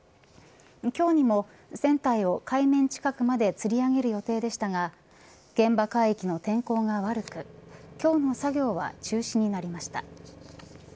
今日にも船体を海面近くまでつり上げる予定でしたが現場海域の天候が悪く今日の作業は中止になりました。